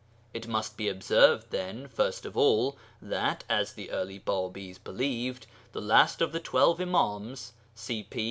It must be observed, then, first of all, that, as the early Bābīs believed, the last of the twelve Imāms (cp.